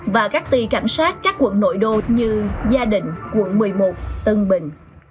và các tỳ cảnh sát các quận nội đô như gia định quận một mươi một tân văn